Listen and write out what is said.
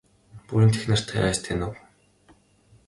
Буянт эхнэр та яаж танив?